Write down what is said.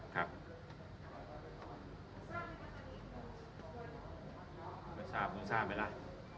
คุณทราบไปล่ะ